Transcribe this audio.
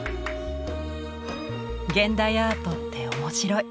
現代アートって面白い。